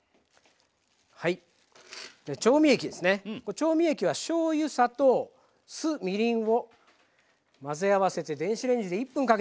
調味液はしょうゆ砂糖酢みりんを混ぜ合わせて電子レンジで１分かけたものですね。